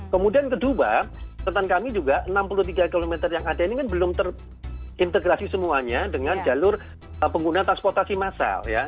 kemudian kedua catatan kami juga enam puluh tiga km yang ada ini kan belum terintegrasi semuanya dengan jalur pengguna transportasi massal ya